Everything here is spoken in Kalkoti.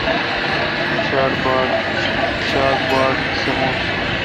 شاک باٹ سمونس